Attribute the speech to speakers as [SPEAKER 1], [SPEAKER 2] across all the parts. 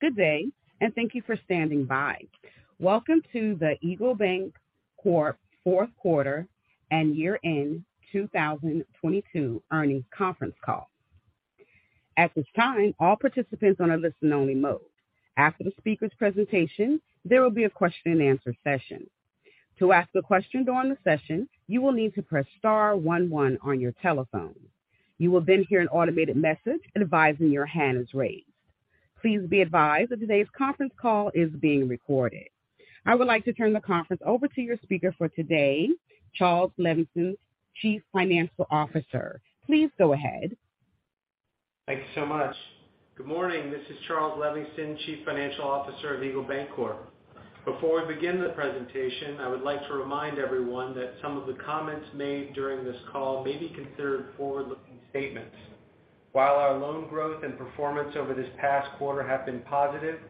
[SPEAKER 1] Good day. Thank you for standing by. Welcome to the Eagle Bancorp fourth quarter and year-end 2022 earnings conference call. At this time, all participants on a listen-only mode. After the speaker's presentation, there will be a question-and-answer session. To ask the question during the session, you will need to press star one one on your telephone. You will hear an automated message advising your hand is raised. Please be advised that today's conference call is being recorded. I would like to turn the conference over to your speaker for today, Charles Levingston, Chief Financial Officer. Please go ahead.
[SPEAKER 2] Thank you so much. Good morning. This is Charles Levingston, Chief Financial Officer of Eagle Bancorp. Before we begin the presentation, I would like to remind everyone that some of the comments made during this call may be considered forward-looking statements. While our loan growth and performance over this past quarter have been positive,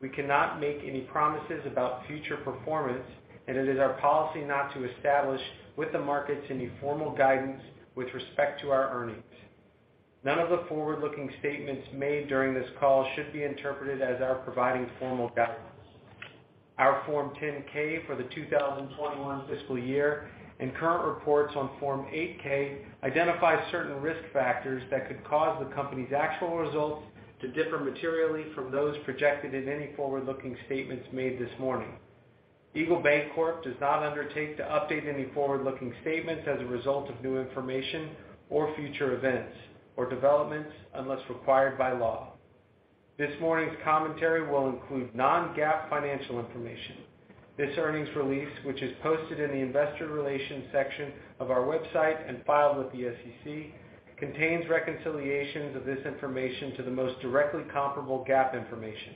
[SPEAKER 2] we cannot make any promises about future performance, and it is our policy not to establish with the markets any formal guidance with respect to our earnings. None of the forward-looking statements made during this call should be interpreted as our providing formal guidance. Our Form 10-K for the 2021 fiscal year and current reports on Form 8-K identify certain risk factors that could cause the company's actual results to differ materially from those projected in any forward-looking statements made this morning. Eagle Bancorp does not undertake to update any forward-looking statements as a result of new information or future events or developments unless required by law. This morning's commentary will include non-GAAP financial information. This earnings release, which is posted in the investor relations section of our website and filed with the SEC, contains reconciliations of this information to the most directly comparable GAAP information.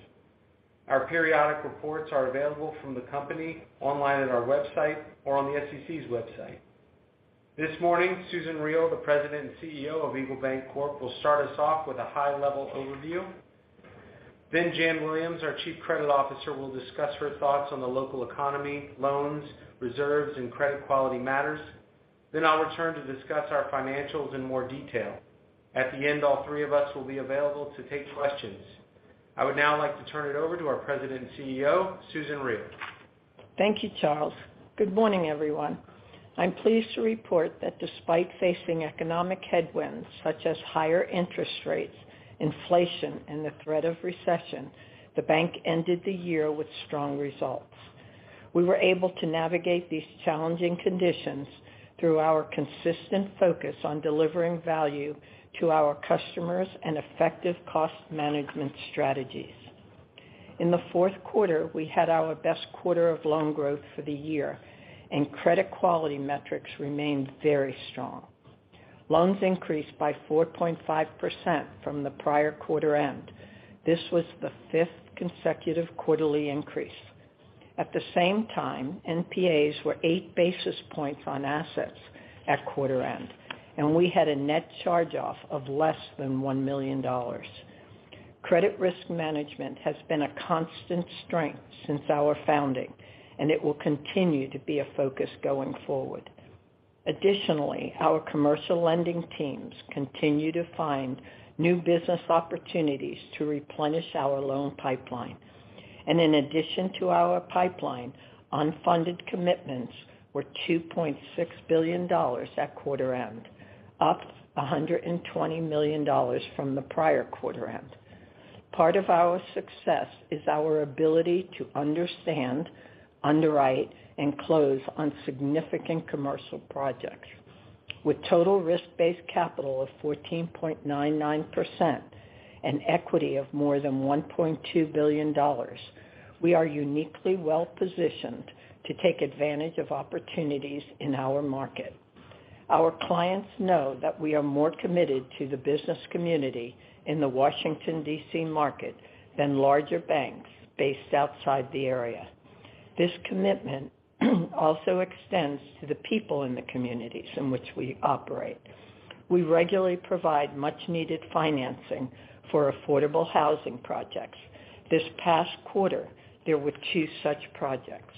[SPEAKER 2] Our periodic reports are available from the company online at our website or on the SEC's website. This morning, Susan Riel, the President and CEO of Eagle Bancorp, will start us off with a high-level overview. Jan Williams, our Chief Credit Officer, will discuss her thoughts on the local economy, loans, reserves, and credit quality matters. I'll return to discuss our financials in more detail. At the end, all three of us will be available to take questions. I would now like to turn it over to our President and CEO, Susan Riel.
[SPEAKER 3] Thank you, Charles. Good morning, everyone. I'm pleased to report that despite facing economic headwinds such as higher interest rates, inflation, and the threat of recession, the bank ended the year with strong results. We were able to navigate these challenging conditions through our consistent focus on delivering value to our customers and effective cost management strategies. In the fourth quarter, we had our best quarter of loan growth for the year, and credit quality metrics remained very strong. Loans increased by 4.5% from the prior-quarter end. This was the fifth consecutive quarterly increase. At the same time, NPAs were 8 basis points on assets at quarter end, and we had a net charge-off of less than $1 million. Credit risk management has been a constant strength since our founding, and it will continue to be a focus going forward. Additionally, our commercial lending teams continue to find new business opportunities to replenish our loan pipeline. In addition to our pipeline, unfunded commitments were $2.6 billion at quarter end, up $120 million from the prior-quarter end. Part of our success is our ability to understand, underwrite, and close on significant commercial projects. With total risk-based capital of 14.99% and equity of more than $1.2 billion, we are uniquely well-positioned to take advantage of opportunities in our market. Our clients know that we are more committed to the business community in the Washington, D.C. market than larger banks based outside the area. This commitment also extends to the people in the communities in which we operate. We regularly provide much-needed financing for affordable housing projects. This past quarter, there were two such projects.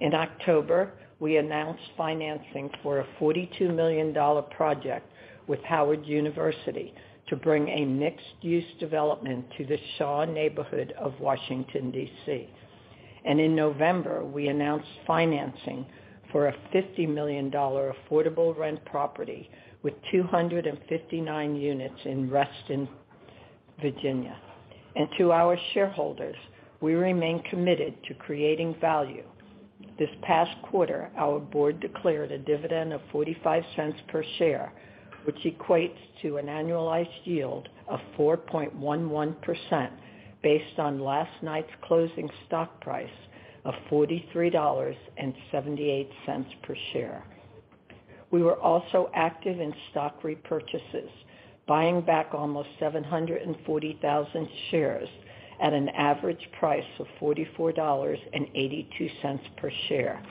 [SPEAKER 3] In October, we announced financing for a $42 million project with Howard University to bring a mixed-use development to the Shaw neighborhood of Washington, D.C. In November, we announced financing for a $50 million affordable rent property with 259 units in Reston, Virginia. To our shareholders, we remain committed to creating value. This past quarter, our board declared a dividend of $0.45 per share, which equates to an annualized yield of 4.11% based on last night's closing stock price of $43.78 per share. We were also active in stock repurchases, buying back almost 740,000 shares at an average price of $44.82 per share.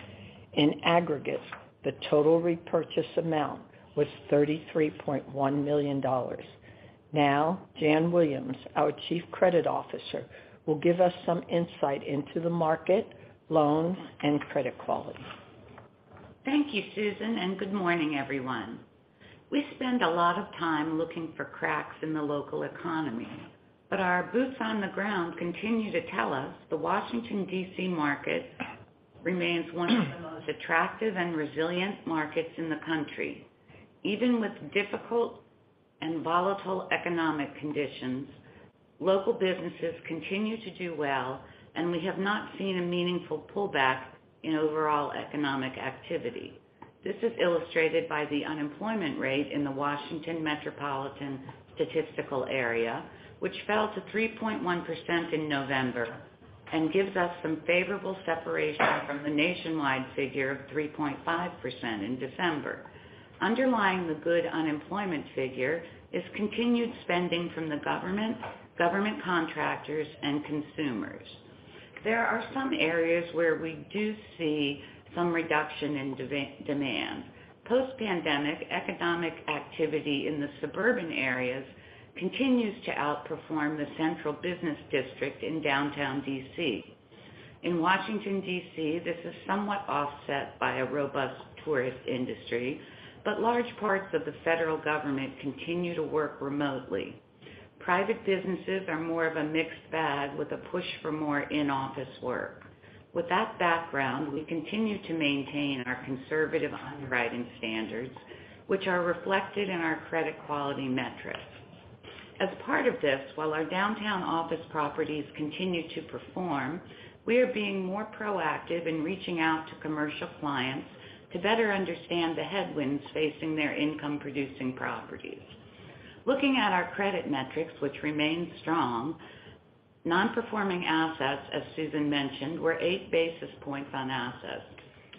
[SPEAKER 3] In aggregate, the total repurchase amount was $33.1 million. Now, Jan Williams, our Chief Credit Officer, will give us some insight into the market, loans, and credit quality.
[SPEAKER 4] Thank you, Susan. Good morning, everyone. We spend a lot of time looking for cracks in the local economy. Our boots on the ground continue to tell us the Washington, D.C. market remains one of the most attractive and resilient markets in the country. Even with difficult and volatile economic conditions, local businesses continue to do well. We have not seen a meaningful pullback in overall economic activity. This is illustrated by the unemployment rate in the Washington Metropolitan Statistical Area, which fell to 3.1% in November and gives us some favorable separation from the nationwide figure of 3.5% in December. Underlying the good unemployment figure is continued spending from the government contractors and consumers. There are some areas where we do see some reduction in demand. Post-pandemic, economic activity in the suburban areas continues to outperform the central business district in Downtown D.C. In Washington, D.C., this is somewhat offset by a robust tourist industry, large parts of the federal government continue to work remotely. Private businesses are more of a mixed bag with a push for more in-office work. With that background, we continue to maintain our conservative underwriting standards, which are reflected in our credit quality metrics. As part of this, while our Downtown office properties continue to perform, we are being more proactive in reaching out to commercial clients to better understand the headwinds facing their income producing properties. Looking at our credit metrics, which remain strong, Non-performing assets, as Susan mentioned, were 8 basis points on assets.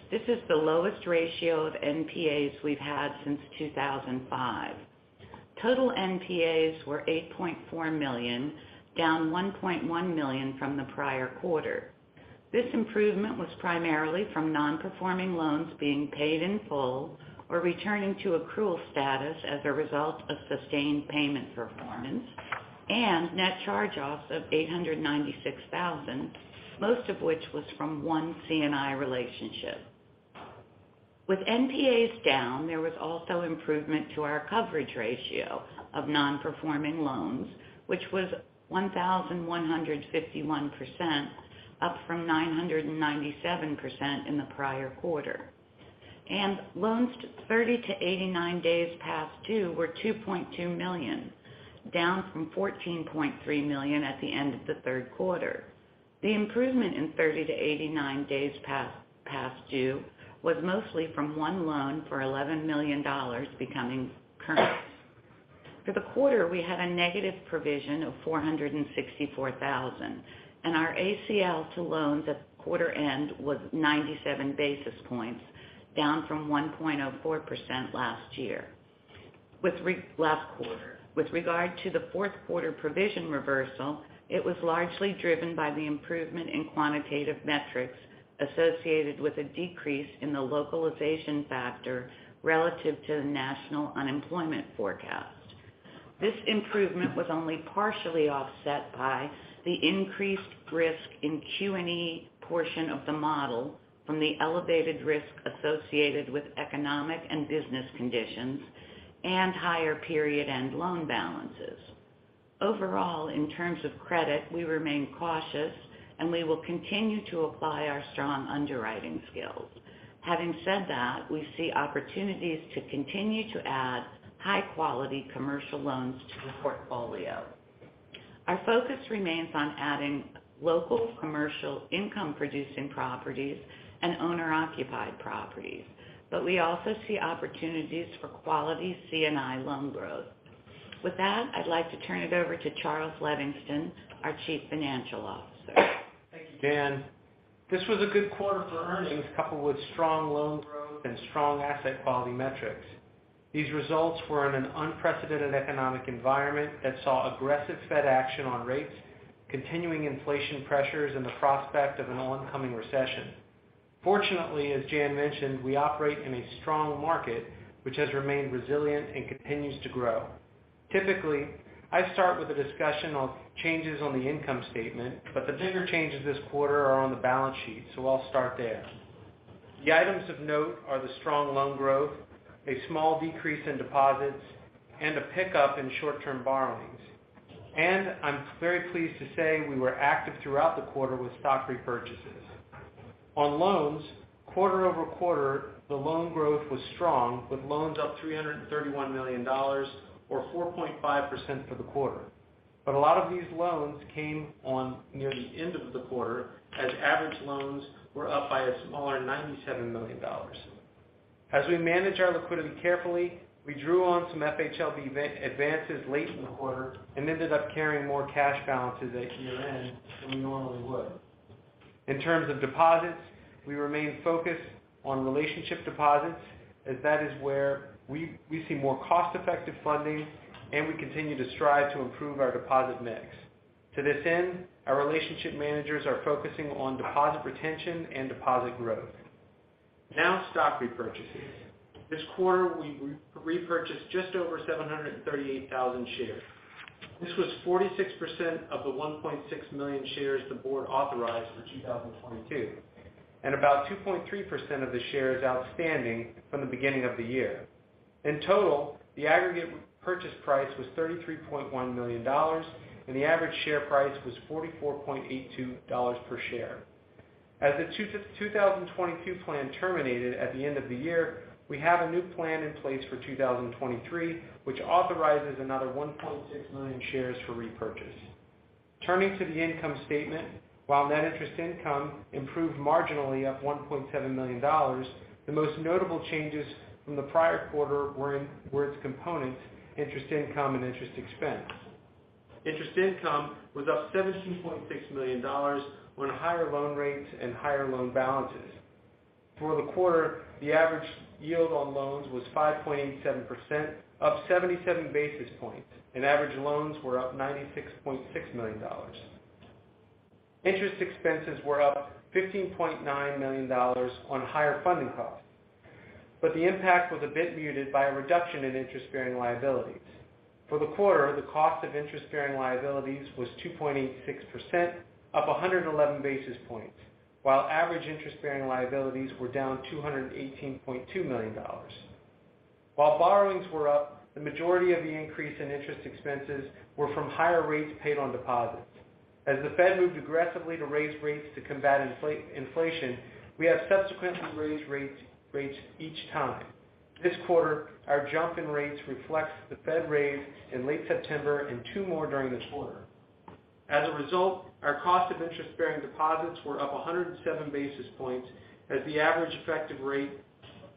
[SPEAKER 4] This is the lowest ratio of NPAs we've had since 2005. Total NPAs were $8.4 million, down $1.1 million from the prior quarter. This improvement was primarily from non-performing loans being paid in full or returning to accrual status as a result of sustained payment performance and net charge-offs of $896,000, most of which was from one C&I relationship. With NPAs down, there was also improvement to our coverage ratio of non-performing loans, which was 1,151%, up from 997% in the prior quarter. Loans 30-89 days past due were $2.2 million, down from $14.3 million at the end of the third quarter. The improvement in 30-89 days past due was mostly from one loan for $11 million becoming current. For the quarter, we had a negative provision of $464,000, and our ACL to loans at quarter end was 97 basis points, down from 1.04% last year. Last quarter. With regard to the fourth quarter provision reversal, it was largely driven by the improvement in quantitative metrics associated with a decrease in the localization factor relative to the national unemployment forecast. This improvement was only partially offset by the increased risk in Q&E portion of the model from the elevated risk associated with economic and business conditions and higher period end loan balances. Overall, in terms of credit, we remain cautious and we will continue to apply our strong underwriting skills. Having said that, we see opportunities to continue to add high quality commercial loans to the portfolio. Our focus remains on adding local commercial income producing properties and owner-occupied properties, but we also see opportunities for quality C&I loan growth. With that, I'd like to turn it over to Charles Levingston, our Chief Financial Officer.
[SPEAKER 2] Thank you, Jan. This was a good quarter for earnings, coupled with strong loan growth and strong asset quality metrics. These results were in an unprecedented economic environment that saw aggressive Fed action on rates, continuing inflation pressures in the prospect of an oncoming recession. Fortunately, as Jan mentioned, we operate in a strong market which has remained resilient and continues to grow. Typically, I start with a discussion on changes on the income statement, but the bigger changes this quarter are on the balance sheet, so I'll start there. The items of note are the strong loan growth, a small decrease in deposits, and a pickup in short-term borrowings. I'm very pleased to say we were active throughout the quarter with stock repurchases. On loans, quarter-over-quarter, the loan growth was strong with loans up $331 million or 4.5% for the quarter. A lot of these loans came on near the end of the quarter as average loans were up by a smaller $97 million. As we manage our liquidity carefully, we drew on some FHLB advances late in the quarter and ended up carrying more cash balances at year-end than we normally would. In terms of deposits, we remain focused on relationship deposits as that is where we see more cost-effective funding and we continue to strive to improve our deposit mix. To this end, our relationship managers are focusing on deposit retention and deposit growth. Stock repurchases. This quarter, we repurchased just over 738,000 shares. This was 46% of the 1.6 million shares the board authorized for 2022, and about 2.3% of the shares outstanding from the beginning of the year. In total, the aggregate purchase price was $33.1 million, and the average share price was $44.82 per share. As the 2022 plan terminated at the end of the year, we have a new plan in place for 2023, which authorizes another 1.6 million shares for repurchase. Turning to the income statement, while net interest income improved marginally up $1.7 million, the most notable changes from the prior quarter were its components, interest income and interest expense. Interest income was up $17.6 million on higher loan rates and higher loan balances. For the quarter, the average yield on loans was 5.87%, up 77 basis points. Average loans were up $96.6 million. Interest expenses were up $15.9 million on higher funding costs. The impact was a bit muted by a reduction in interest-bearing liabilities. For the quarter, the cost of interest-bearing liabilities was 2.86%, up 111 basis points, while average interest-bearing liabilities were down $218.2 million. While borrowings were up, the majority of the increase in interest expenses were from higher rates paid on deposits. As the Fed moved aggressively to raise rates to combat inflation, we have subsequently raised rates each time. This quarter, our jump-in rates reflects the Fed raise in late-September and two more during this quarter. As a result, our cost of interest-bearing deposits were up 107 basis points, as the average effective rate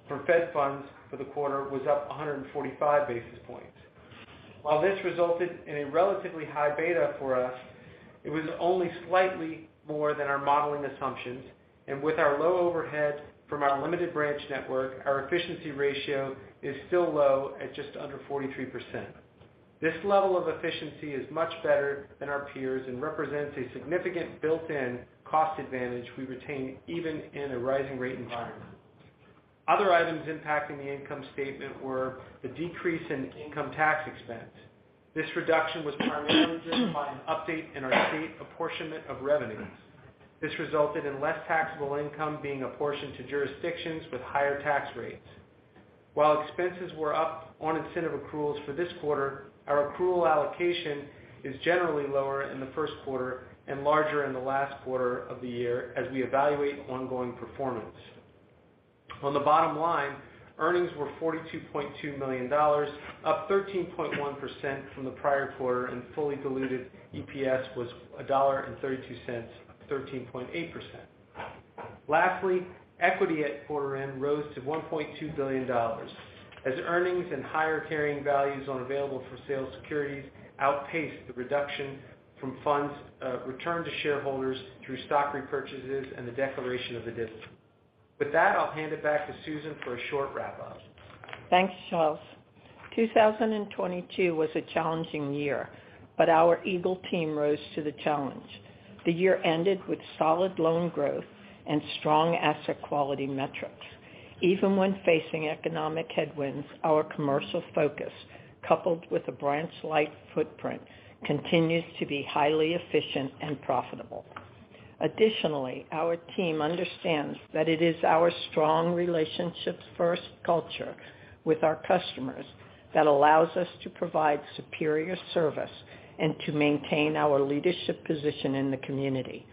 [SPEAKER 2] for Fed funds for the quarter was up 145 basis points. While this resulted in a relatively high beta for us, it was only slightly more than our modeling assumptions. With our low overhead from our limited branch network, our efficiency ratio is still low at just under 43%. This level of efficiency is much better than our peers and represents a significant built-in cost advantage we retain even in a rising rate environment. Other items impacting the income statement were the decrease in income tax expense. This reduction was primarily driven by an update in our state apportionment of revenues. This resulted in less taxable income being apportioned to jurisdictions with higher tax rates. While expenses were up on incentive accruals for this quarter, our accrual allocation is generally lower in the first quarter and larger in the last quarter of the year as we evaluate ongoing performance. On the bottom line, earnings were $42.2 million, up 13.1% from the prior quarter, and fully-diluted EPS was $1.32, up 13.8%. Lastly, equity at quarter end rose to $1.2 billion as earnings and higher carrying values on available-for-sale securities outpaced the reduction from funds returned to shareholders through stock repurchases and the declaration of the dividend. With that, I'll hand it back to Susan for a short wrap-up.
[SPEAKER 3] Thanks, Charles. 2022 was a challenging year, but our Eagle team rose to the challenge. The year ended with solid loan growth and strong asset quality metrics. Even when facing economic headwinds, our commercial focus, coupled with a branch-light footprint, continues to be highly efficient and profitable. Additionally, our team understands that it is our strong relationships-first culture with our customers that allows us to provide superior service and to maintain our leadership position in the community.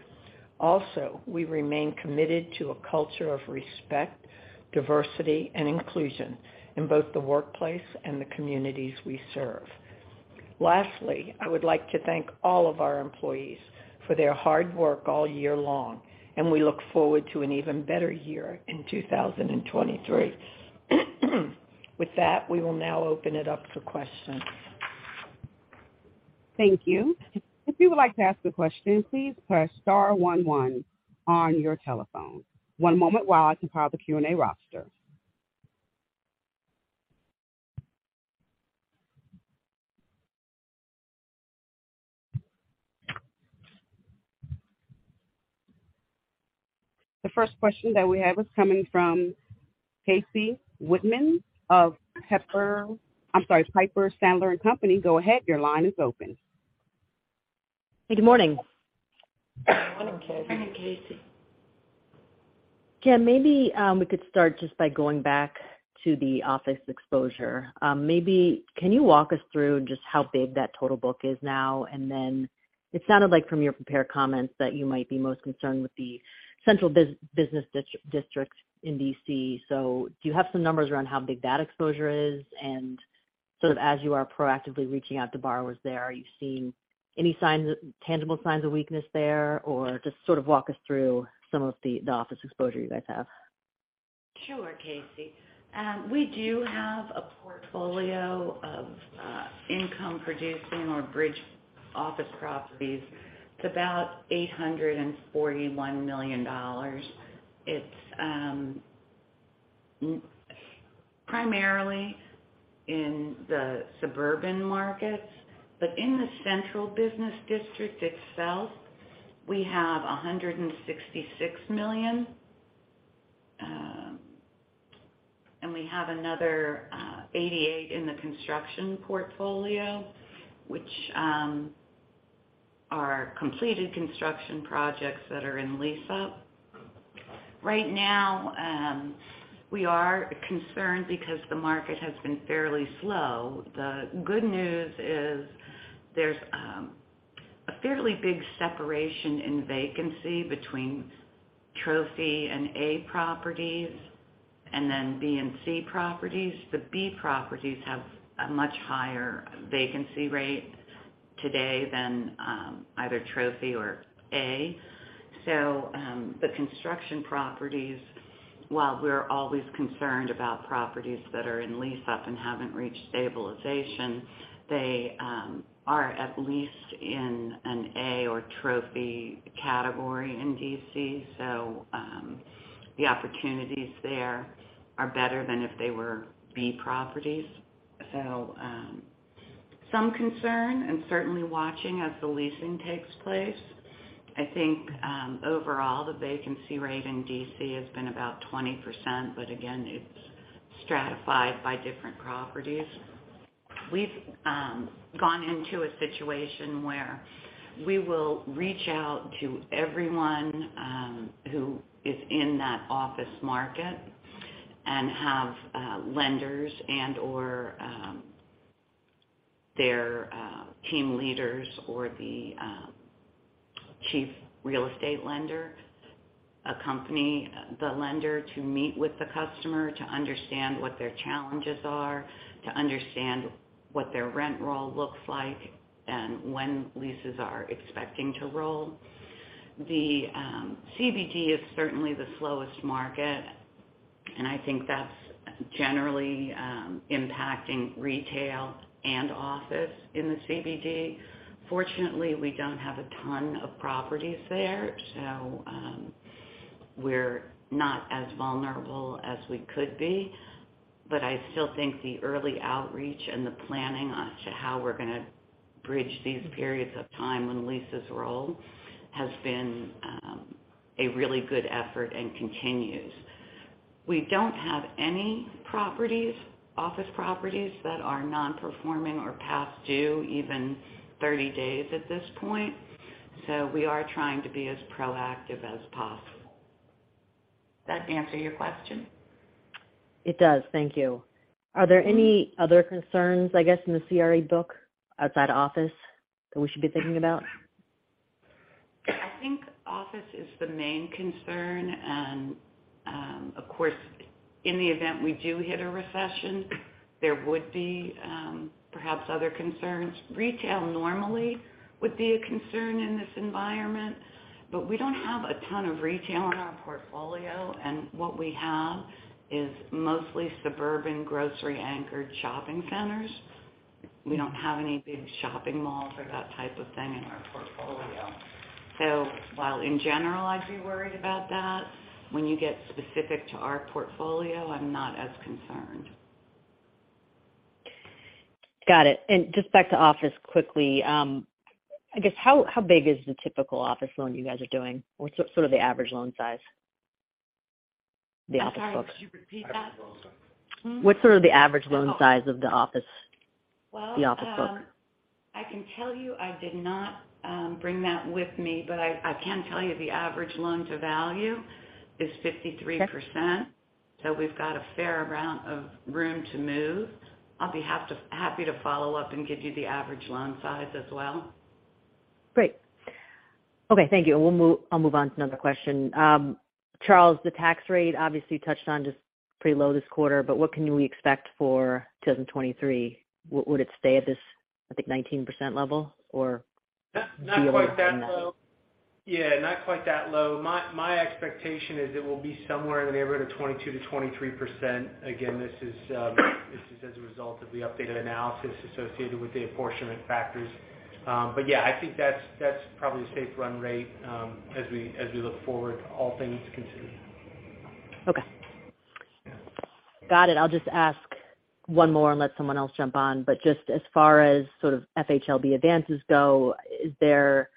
[SPEAKER 3] Also, we remain committed to a culture of respect, diversity, and inclusion in both the workplace and the communities we serve. Lastly, I would like to thank all of our employees for their hard work all year long, and we look forward to an even better year in 2023. With that, we will now open it up for questions.
[SPEAKER 1] Thank you. If you would like to ask a question, please press star one one on your telephone. One moment while I compile the Q&A roster. The first question that we have is coming from Casey Whitman of Piper Sandler and Company. Go ahead. Your line is open.
[SPEAKER 5] Hey, good morning.
[SPEAKER 3] Morning, Casey.
[SPEAKER 4] Morning, Casey.
[SPEAKER 5] Yeah, maybe, we could start just by going back to the office exposure. Maybe can you walk us through just how big that total book is now? It sounded like from your prepared comments that you might be most concerned with the central business district in D.C. Do you have some numbers around how big that exposure is? Sort of as you are proactively reaching out to borrowers there, are you seeing any signs, tangible signs of weakness there? Just sort of walk us through some of the office exposure you guys have.
[SPEAKER 4] Sure, Casey. We do have a portfolio of income-producing or bridge office properties. It's about $841 million. It's primarily... In the suburban markets. In the central business district itself, we have $166 million. We have another $88 million in the construction portfolio, which are completed construction projects that are in lease up. Right now, we are concerned because the market has been fairly slow. The good news is there's a fairly big separation in vacancy between trophy and A properties and then B and C properties. The B properties have a much higher vacancy rate today than either trophy or A. The construction properties, while we're always concerned about properties that are in lease up and haven't reached stabilization, they are at least in an A or trophy category in DC. The opportunities there are better than if they were B properties. Some concern and certainly watching as the leasing takes place. I think, overall, the vacancy rate in D.C. has been about 20%. Again, it's stratified by different properties. We've gone into a situation where we will reach out to everyone who is in that office market and have lenders and/or their team leaders or the chief real estate lender accompany the lender to meet with the customer to understand what their challenges are, to understand what their rent roll looks like and when leases are expecting to roll. The CBD is certainly the slowest market. I think that's generally impacting retail and office in the CBD. Fortunately, we don't have a ton of properties there. We're not as vulnerable as we could be. I still think the early outreach and the planning as to how we're gonna bridge these periods of time when leases roll has been a really good effort and continues. We don't have any properties, office properties that are non-performing or past due even 30 days at this point. We are trying to be as proactive as possible. That answer your question?
[SPEAKER 5] It does. Thank you. Are there any other concerns, I guess, in the CRE book outside office that we should be thinking about?
[SPEAKER 4] I think office is the main concern. Of course, in the event we do hit a recession, there would be perhaps other concerns. Retail normally would be a concern in this environment, but we don't have a ton of retail in our portfolio, and what we have is mostly suburban grocery anchored shopping centers. We don't have any big shopping malls or that type of thing in our portfolio. While in general I'd be worried about that, when you get specific to our portfolio, I'm not as concerned.
[SPEAKER 5] Got it. Just back to office quickly. I guess, how big is the typical office loan you guys are doing? What's sort of the average loan size? The office books.
[SPEAKER 4] I'm sorry. Could you repeat that?
[SPEAKER 2] Average loan size.
[SPEAKER 4] Hmm?
[SPEAKER 5] What's sort of the average loan size of the office-?
[SPEAKER 4] Well.
[SPEAKER 5] The office book.
[SPEAKER 4] I can tell you I did not bring that with me, but I can tell you the average loan to value is 53%.
[SPEAKER 5] Okay.
[SPEAKER 4] We've got a fair amount of room to move. I'll be happy to follow up and give you the average loan size as well.
[SPEAKER 5] Great. Okay, thank you. I'll move on to another question. Charles, the tax rate obviously touched on just pretty low this quarter, but what can we expect for 2023? Would it stay at this, I think, 19%-level, or do you expect...
[SPEAKER 2] Not quite that low. Yeah, not quite that low. My expectation is it will be somewhere in the neighborhood of 22%-23%. Again, this is as a result of the updated analysis associated with the apportionment factors. Yeah, I think that's probably a safe run rate as we look forward, all things considered.
[SPEAKER 5] Okay. Got it. I'll just ask one more and let someone else jump on. Just as far as sort of FHLB advances go, is there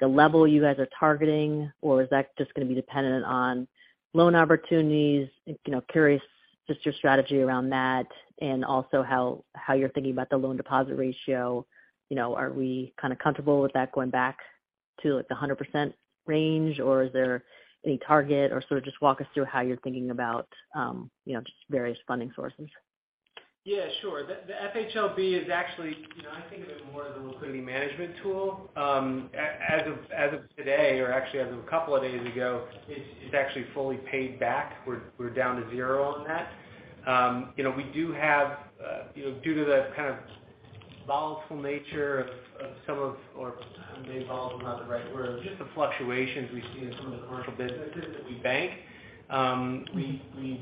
[SPEAKER 5] the level you guys are targeting, or is that just gonna be dependent on loan opportunities? You know, curious just your strategy around that and also how you're thinking about the loan deposit ratio. You know, are we kind of comfortable with that going back to, like, the 100% range, or is there any target? Sort of just walk us through how you're thinking about, you know, just various funding sources.
[SPEAKER 2] Yeah, sure. The FHLB is actually, you know, I think of it more as a liquidity management tool. As of today, or actually as of a couple of days ago, it's actually fully paid back. We're down to zero on that. You know, we do have, you know, due to the kind of volatile nature of some of or maybe volatile is not the right word. Just the fluctuations we've seen in some of the commercial businesses that we bank.
[SPEAKER 5] Mm-hmm.
[SPEAKER 2] We've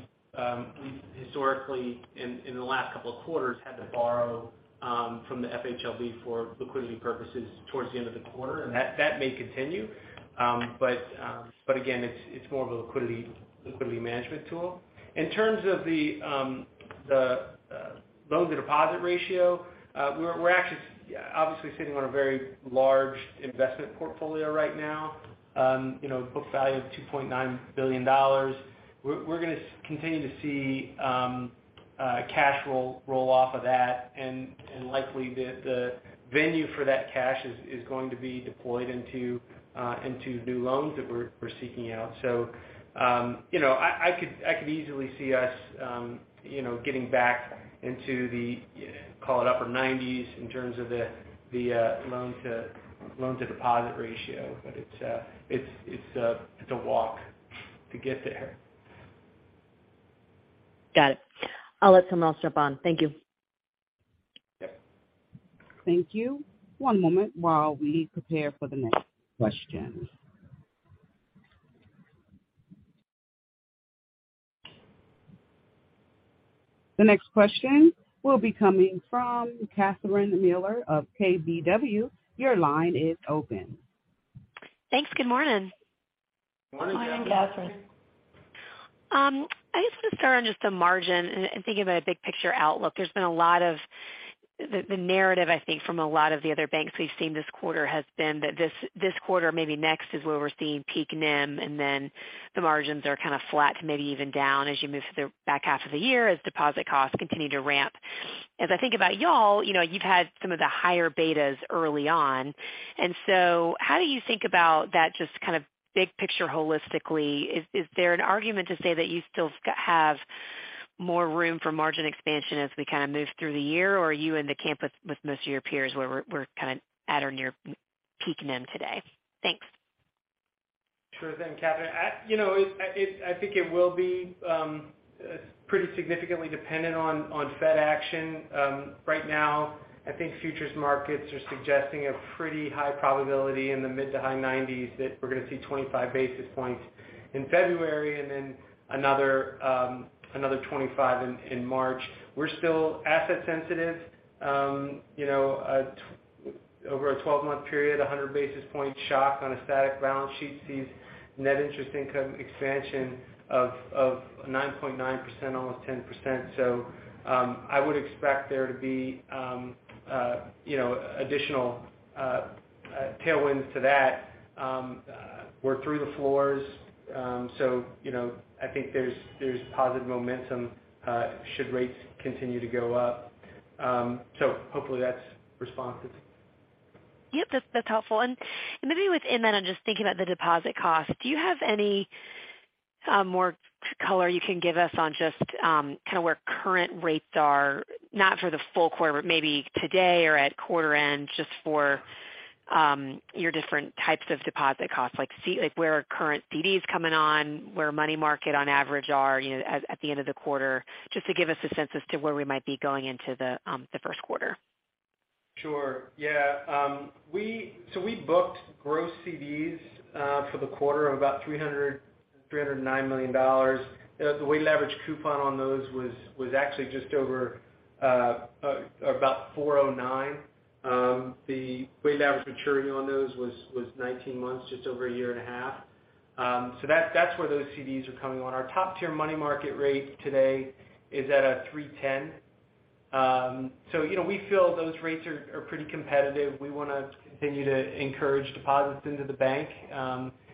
[SPEAKER 2] historically in the last couple of quarters had to borrow from the FHLB for liquidity purposes towards the end of the quarter, and that may continue. But again, it's more of a liquidity management tool. In terms of the loan to deposit ratio, we're actually obviously sitting on a very large investment portfolio right now. You know, book value of $2.9 billion. We're gonna continue to see cash roll off of that, and likely the venue for that cash is going to be deployed into new loans that we're seeking out. You know, I could easily see us, you know, getting back into the, call it upper nineties in terms of the loan to deposit ratio, but it's a walk to get there.
[SPEAKER 5] Got it. I'll let someone else jump on. Thank you.
[SPEAKER 1] Thank you. One moment while we prepare for the next question. The next question will be coming from Catherine Mealor of KBW. Your line is open.
[SPEAKER 6] Thanks. Good morning.
[SPEAKER 3] Morning, Catherine.
[SPEAKER 6] I just want to start on just the margin and think about a big picture outlook. There's been a lot of the narrative, I think, from a lot of the other banks we've seen this quarter has been that this quarter, maybe next, is where we're seeing peak NIM, and then the margins are kind of flat to maybe even down as you move through the back half of the year as deposit costs continue to ramp. As I think about y'all, you know, you've had some of the higher betas early on. How do you think about that just kind of big picture holistically? Is there an argument to say that you still have more room for margin expansion as we kind of move through the year? Are you in the camp with most of your peers where we're kind of at or near peak NIM today? Thanks.
[SPEAKER 2] Sure thing, Catherine. you know, it, I think it will be pretty significantly dependent on Fed action. Right now, I think futures markets are suggesting a pretty high probability in the mid to high-90s that we're going to see 25 basis points in February and then another 25 in March. We're still asset sensitive. you know, over a 12-month period, a 100 basis point shock on a static balance sheet sees net interest income expansion of 9.9%, almost 10%. I would expect there to be, you know, additional tailwinds to that. We're through the floors. you know, I think there's positive momentum should rates continue to go up. Hopefully that's responsive.
[SPEAKER 6] Yep, that's helpful. Maybe within that, I'm just thinking about the deposit cost. Do you have any more color you can give us on just kind of where current rates are, not for the full quarter, but maybe today or at quarter end, just for your different types of deposit costs? Like see, like where are current CDs coming on, where money market on average are, you know, at the end of the quarter, just to give us a sense as to where we might be going into the first quarter?
[SPEAKER 2] Sure. Yeah. So we booked gross CDs for the quarter of about $309 million. The weighted average coupon on those was actually just over about 4.09%. The weighted average maturity on those was 19 months, just over a year and a half. That's where those CDs are coming on. Our top-tier money market rate today is at a 3.10%. You know, we feel those rates are pretty competitive. We wanna continue to encourage deposits into the bank.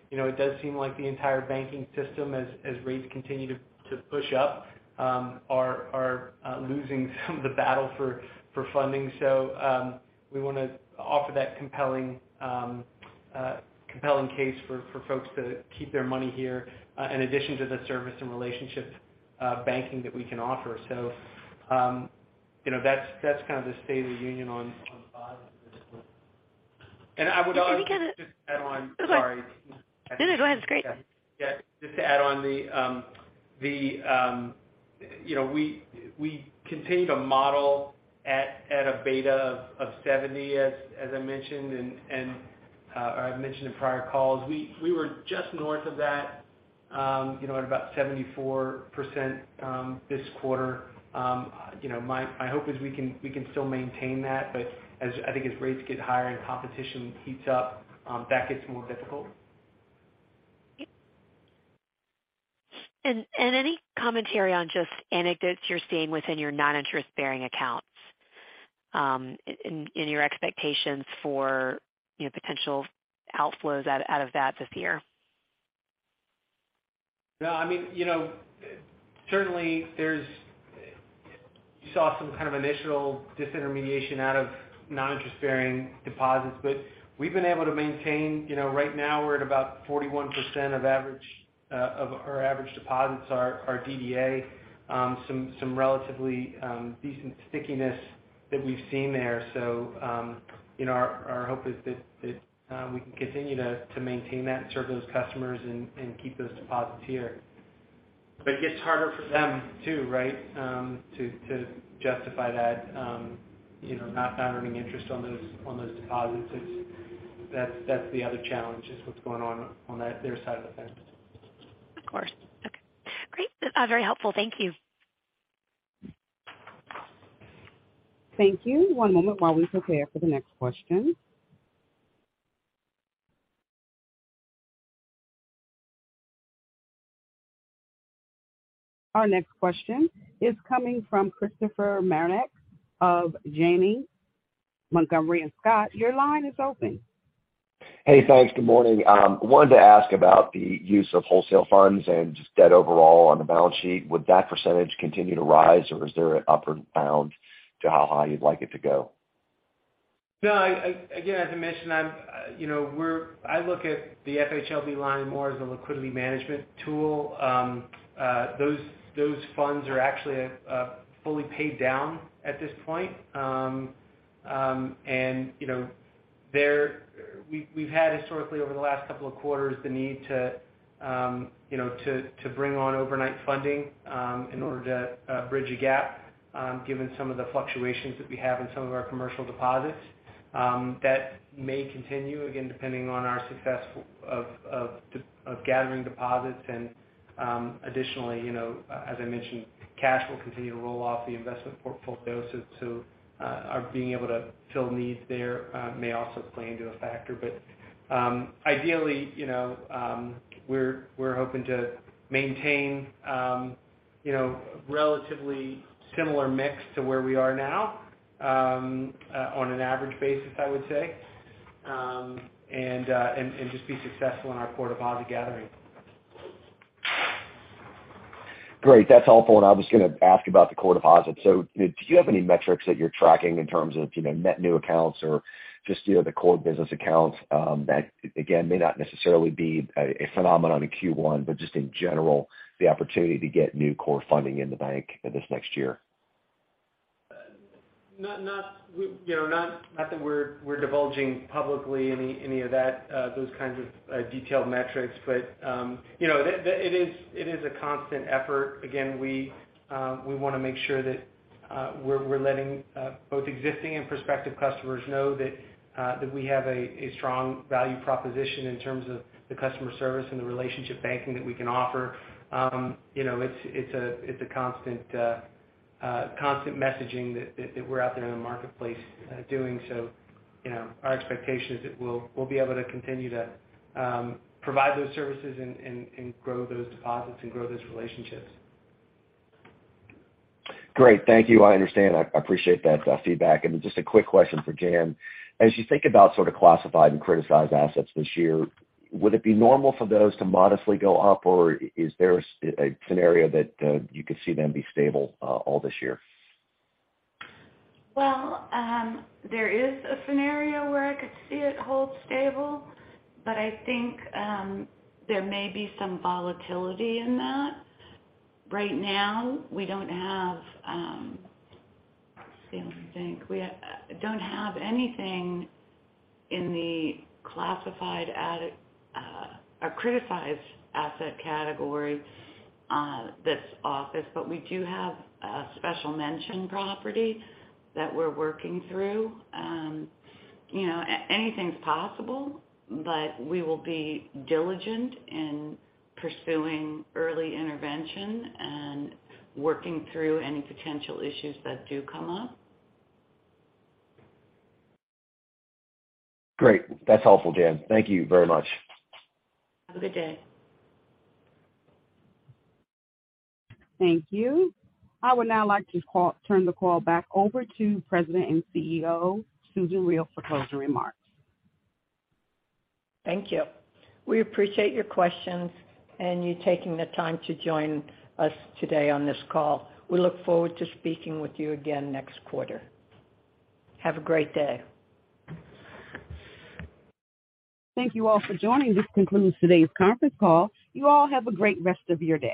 [SPEAKER 2] You know, it does seem like the entire banking system, as rates continue to push up, are losing some of the battle for funding. We want to offer that compelling case for folks to keep their money here, in addition to the service and relationship banking that we can offer. You know, that's kind of the state of the union on deposits. I would also.
[SPEAKER 6] Can we kind of-
[SPEAKER 2] Just add on. Sorry.
[SPEAKER 6] It's okay. No, no, go ahead. It's great.
[SPEAKER 2] Just to add on the, you know, we continue to model at a beta of 70 as I mentioned and, or I've mentioned in prior calls. We, we were just north of that, you know, at about 74%, this quarter. You know, my hope is we can, we can still maintain that, but as I think as rates get higher and competition heats up, that gets more difficult.
[SPEAKER 6] And any commentary on just anecdotes you're seeing within your non-interest-bearing accounts, in your expectations for, you know, potential outflows out of that this year?
[SPEAKER 2] No, I mean, you know, certainly there's You saw some kind of initial disintermediation out of non-interest-bearing deposits, but we've been able to maintain, you know, right now we're at about 41% of average, of our average deposits are DDA. Some relatively decent stickiness that we've seen there. Our hope is that we can continue to maintain that and serve those customers and keep those deposits here. It gets harder for them too, right? To justify that, you know, not earning interest on those deposits. That's the other challenge is what's going on that, their side of the fence.
[SPEAKER 6] Of course. Okay, great. Very helpful. Thank you.
[SPEAKER 1] Thank you. One moment while we prepare for the next question. Our next question is coming from Christopher Marinac of Janney Montgomery Scott. Your line is open.
[SPEAKER 7] Hey, thanks. Good morning. Wanted to ask about the use of wholesale funds and just debt overall on the balance sheet. Would that percentage continue to rise or is there an upper bound to how high you'd like it to go?
[SPEAKER 2] No, again, as I mentioned, I'm, you know, I look at the FHLB line more as a liquidity management tool. Those funds are actually fully paid down at this point. You know, We've had historically over the last couple of quarters the need to, you know, to bring on overnight funding in order to bridge a gap, given some of the fluctuations that we have in some of our commercial deposits. That may continue again, depending on our success of gathering deposits. Additionally, you know, as I mentioned, cash will continue to roll off the investment portfolio. Our being able to fill needs there may also play into a factor. Ideally, you know, we're hoping to maintain, you know, relatively similar mix to where we are now, on an average basis, I would say. Just be successful in our core deposit gathering.
[SPEAKER 7] Great. That's helpful. I was gonna ask about the core deposits. Do you have any metrics that you're tracking in terms of, you know, net new accounts or just, you know, the core business accounts? That again, may not necessarily be a phenomenon in Q1, but just in general, the opportunity to get new core funding in the bank this next year.
[SPEAKER 2] Not, we, you know, not that we're divulging publicly any of that, those kinds of detailed metrics. You know, it is a constant effort. Again, we wanna make sure that we're letting both existing and prospective customers know that we have a strong value proposition in terms of the customer service and the relationship banking that we can offer. You know, it's a constant messaging that we're out there in the marketplace doing. You know, our expectation is that we'll be able to continue to provide those services and grow those deposits and grow those relationships.
[SPEAKER 7] Great. Thank you. I understand. I appreciate that feedback. Just a quick question for Jan. As you think about sort of classified and criticized assets this year, would it be normal for those to modestly go up, or is there a scenario that you could see them be stable all this year?
[SPEAKER 4] Well, there is a scenario where I could see it hold stable, but I think there may be some volatility in that. Right now, we don't have, let's see, let me think. We don't have anything in the classified ad, or criticized asset category, that's office. We do have a special mention property that we're working through. You know, anything's possible, but we will be diligent in pursuing early intervention and working through any potential issues that do come up.
[SPEAKER 7] Great. That's helpful, Jan. Thank you very much.
[SPEAKER 4] Have a good day.
[SPEAKER 1] Thank you. I would now like to turn the call back over to President and CEO, Susan Riel for closing remarks.
[SPEAKER 3] Thank you. We appreciate your questions and you taking the time to join us today on this call. We look forward to speaking with you again next quarter. Have a great day.
[SPEAKER 1] Thank you all for joining. This concludes today's conference call. You all have a great rest of your day.